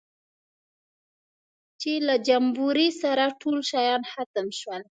چې له جمبوري سره ټول شیان ختم شول.